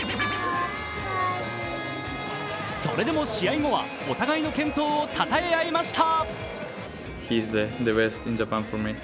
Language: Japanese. それでも試合後はお互いの検討をたたえ合いました。